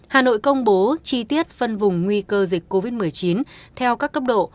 hà nội công bố chi tiết phân vùng nguy cơ dịch covid một mươi chín theo các cấp độ